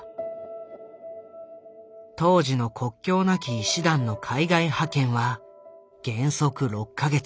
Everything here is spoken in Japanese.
当時の国境なき医師団の海外派遣は原則６か月。